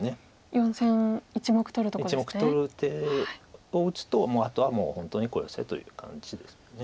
４線１目取る手を打つともうあとは本当に小ヨセという感じですか。